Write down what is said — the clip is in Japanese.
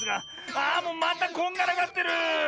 あもうまたこんがらがってる！